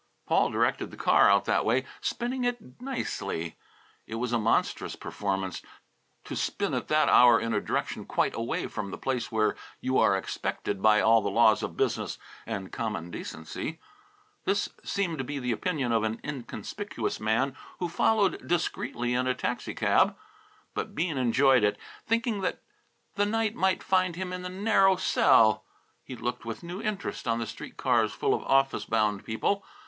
Paul directed the car out that way, spinning it nicely. It was a monstrous performance, to spin at that hour in a direction quite away from the place where you are expected by all the laws of business and common decency. This seemed to be the opinion of an inconspicuous man who followed discreetly in a taxi cab. But Bean enjoyed it, thinking that the night might find him in a narrow cell. He looked with new interest on the street cars full of office bound people.